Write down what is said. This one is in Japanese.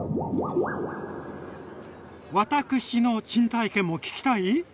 私の珍体験も聞きたい？